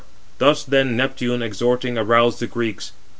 Thus then Neptune, exhorting, aroused the Greeks.